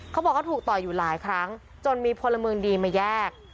เขาบอกเขาถูกต่อยอยู่หลายครั้งจนมีพลเมืองดีมาแยก